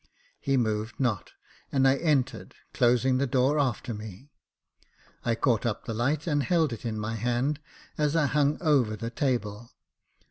He moved not, and I entered, closing the door after me. I caught up the light, and held it in my hand as I hung over the table.